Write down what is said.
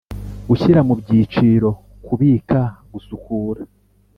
gushyira mu byiciro kubika gusukura